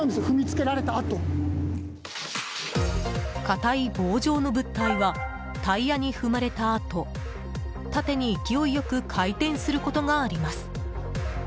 硬い棒状の物体はタイヤに踏まれたあと縦に勢い良く回転することがあります。